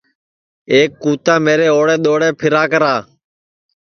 ایک کُتا میرے اوݪے دؔوݪے پھیرا کرا